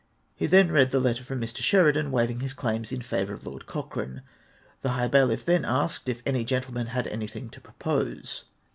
He then read the letter from Mr. Sheridan, waiving his claims in favour of Lord Cochrane. The high bailiff then asked if any gentleman had an3rthing to propose.